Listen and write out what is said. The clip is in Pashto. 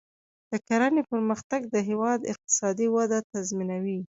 د کرنې پرمختګ د هیواد اقتصادي وده تضمینوي.